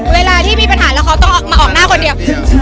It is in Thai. เวลาที่มีปัญหาแล้วเขาต้องออกมาออกหน้าคนเดียว